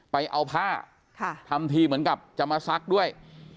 ไปเอาผ้าทำทีเหมือนกับจะมาซักด้วย